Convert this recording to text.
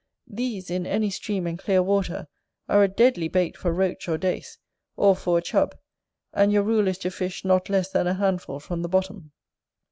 These, in any stream and clear water, are a deadly bait for Roach or Dace, or for a Chub: and your rule is to fish not less than a handful from the bottom.